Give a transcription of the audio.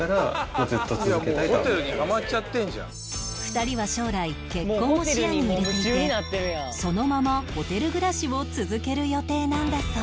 ２人は将来結婚も視野に入れていてそのままホテル暮らしを続ける予定なんだそう